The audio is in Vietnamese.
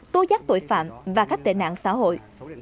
tố giác tội phạm và khách tệ nạn xã hội